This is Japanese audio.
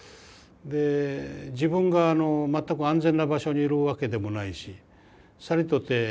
で自分が全く安全な場所にいるわけでもないしさりとて